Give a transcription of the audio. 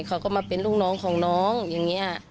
เขาก็มาเป็นลูกน้องของน้องอย่างนี้